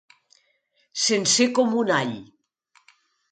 Sencer com un all.